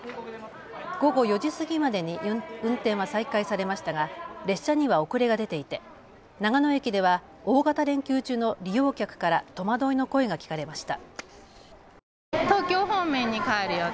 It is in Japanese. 午後４時過ぎまでに運転は再開されましたが列車には遅れが出ていて長野駅では大型連休中の利用客から戸惑いの声が聞かれました。